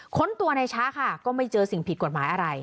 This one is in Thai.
้นตัวในช้าค่ะก็ไม่เจอสิ่งผิดกฎหมายอะไร